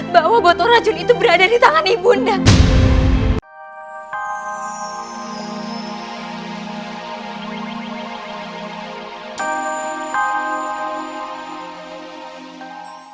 bahwa botol racun itu berada di tangan ibu nara